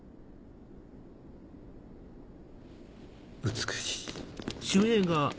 美しい。